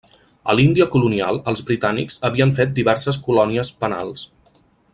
A l'Índia colonial, els britànics havien fet diverses colònies penals.